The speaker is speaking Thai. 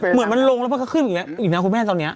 เหมือนมันลงแล้วเพราะเขาขึ้นอีกแล้วอีกแล้วคุณแม่นตอนเนี้ย